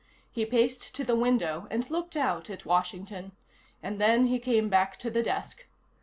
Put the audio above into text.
He paced to the window and looked out at Washington, and then he came back to the desk.